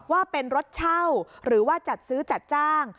ว่าเป็นรถเช่าหรือว่าจัดซื้อจัดจ้าง